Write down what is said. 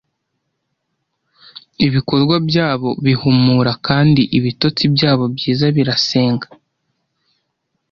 ibikorwa byabo bihumura kandi ibitotsi byabo byiza birasenga